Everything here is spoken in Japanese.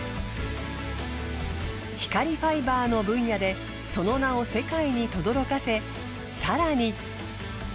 光ファイバーの分野でその名を世界にとどろかせ更に。